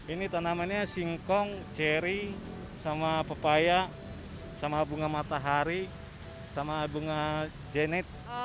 ini tanamannya singkong ceri sama pepaya sama bunga matahari sama bunga jenet